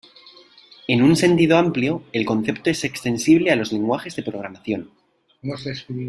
En un sentido amplio, el concepto es extensible a los lenguajes de programación.